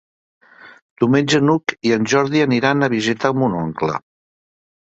Diumenge n'Hug i en Jordi aniran a visitar mon oncle.